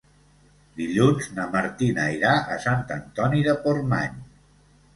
Dilluns na Martina irà a Sant Antoni de Portmany.